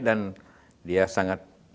dan dia sangat